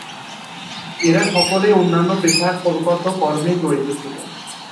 এঁরা সকলেই অন্যান্য পেশাগত কর্মে জড়িত ছিলেন।